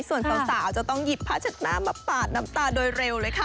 ส่วนสาวจะต้องหยิบผ้าเช็ดน้ำมาปาดน้ำตาโดยเร็วเลยค่ะ